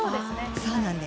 そうなんです。